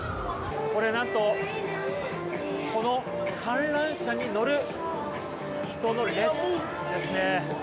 これ、なんとこの観覧車に乗る人の列です。